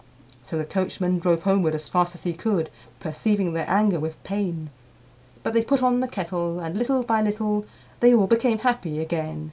So the coachman drove homeward as fast as he could, Perceiving their anger with pain; But they put on the kettle, and little by little They all became happy again.